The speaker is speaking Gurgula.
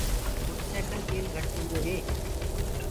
موٽر سيڪل تيل گهٽ پيٚندو هي۔